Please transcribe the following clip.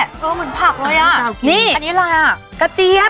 เหมือนผักเลย